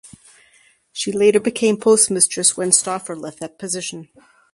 She later became postmistress when Stauffer left that position.